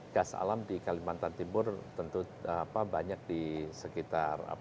gas alam di kalimantan timur tentu banyak di sekitar